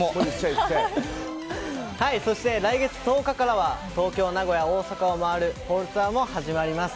そして来月１０日からは東京、名古屋、大阪を回るホールツアーも始まります。